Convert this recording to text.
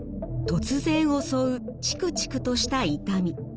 突然襲うチクチクとした痛み。